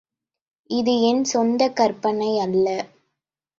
இது என் சொந்தக் கற்பனை அல்ல.